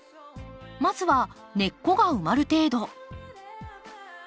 まずは根っこが埋まる程度。